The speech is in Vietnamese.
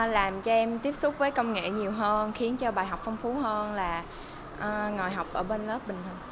làm cho em tiếp xúc với công nghệ nhiều hơn khiến cho bài học phong phú hơn là ngồi học ở bên lớp bình thường